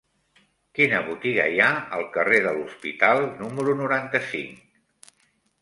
Quina botiga hi ha al carrer de l'Hospital número noranta-cinc?